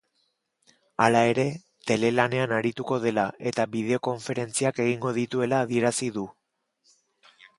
Hala ere, telelanean arituko dela eta bideokonferentziak egingo dituela adierazi du.